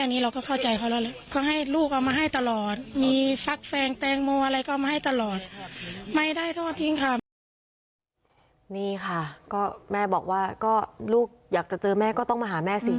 นี่ค่ะก็แม่บอกว่าก็ลูกอยากจะเจอแม่ก็ต้องมาหาแม่สิ